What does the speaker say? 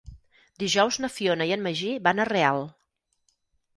Dijous na Fiona i en Magí van a Real.